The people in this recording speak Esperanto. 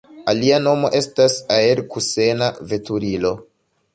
Alia nomo estas aer-kusena veturilo.